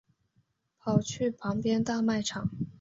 跑去旁边大卖场